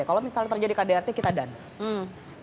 kalau misalnya terjadi kdrt kita dana